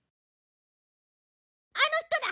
あの人だ。